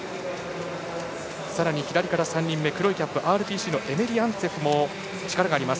さらに左から３人目黒いキャップＲＰＣのエメリアンツェフも力があります。